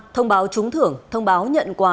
thông báo trúng thưởng thông báo nhận quà